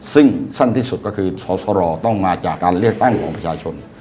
ซึ่งสั้นที่สุดก็คือสสรต้องมาจากการเลือกตั้งของประชาชน